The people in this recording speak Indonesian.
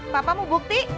papa mau bukti